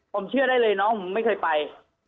ผมเชื่อได้เลยน้องผมไม่เคยไป